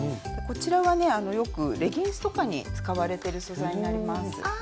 こちらはねよくレギンスとかに使われてる素材になります。